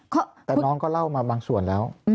แต่น้องก็เล่ามาบางส่วนแล้ว